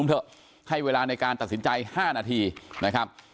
เป็นสถานที่ในการชุมนุมเถอะให้เวลาในการตัดสินใจ๕นาทีนะครับ